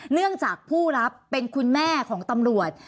เนื่องจากผู้รับเป็นคุณแม่ของตำรวจ